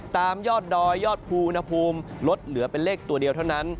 ตามยอดดอยยอดภูอุณหภูมิลดเหลือเป็นเลขตัวเดียวเท่านั้น